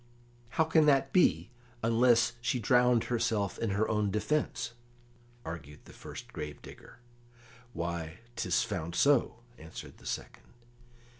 "How can that be, unless she drowned herself in her own defence?" argued the first grave digger. "Why, 'tis found so," answered the second.